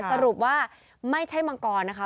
สรุปว่าไม่ใช่มังกรนะคะ